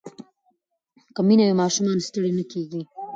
که مینه وي ماشومان ستړي نه کېږي.